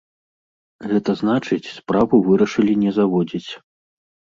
Гэта значыць, справу вырашылі не заводзіць.